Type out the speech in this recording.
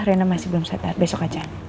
rena masih belum sadar besok aja